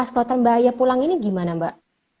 oke nah kalau terbahaya pulang ini gimana mbak